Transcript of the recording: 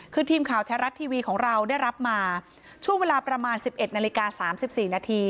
คือทีมข่าวแท้รัฐทีวีของเราได้รับมาช่วงเวลาประมาณ๑๑นาฬิกา๓๔นาที